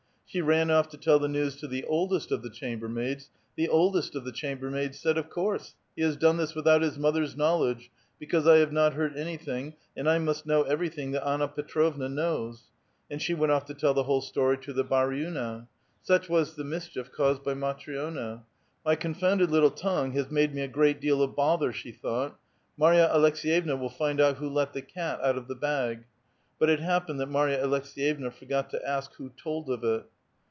She ran off to tell the news to the oldest of the chambermaids ; the oldest of the chambermaids said, " Of course, he has done this without his mother's knowledge, because I have not heard anything, and I must know everything that Anna Petrovna knows," and she went off to tell the whole story to the bar uhia: such was the mischief caused bv Matri6na! "My confounded little tongue has made me a great deal of bother," she thought. *' Marya Aleks6yevna will find out who let the cat out of the bag." But it happened that Marya Aleks^yevna forgot to ask who told of it.